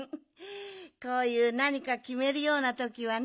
こういうなにかきめるようなときはね